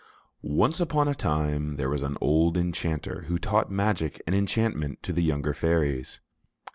] Once upon a time there was an old enchanter who taught magic and enchantment to the younger fairies.